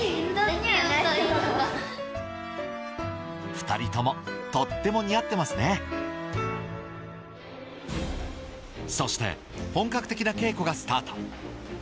２人ともとっても似合ってますねそして本格的な稽古がスタート